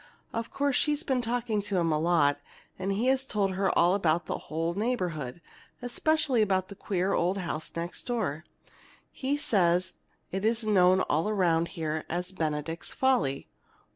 Of course she's been talking to him a lot, and he has told her all about the whole neighborhood, and especially about the queer old house next door. He says it's known all around here as 'Benedict's Folly.'"